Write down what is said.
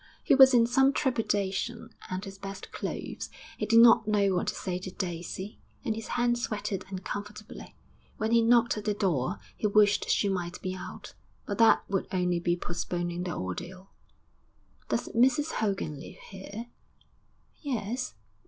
He was in some trepidation and his best clothes. He didn't know what to say to Daisy, and his hands sweated uncomfortably. When he knocked at the door he wished she might be out but that would only be postponing the ordeal. 'Does Mrs Hogan live here?' 'Yes.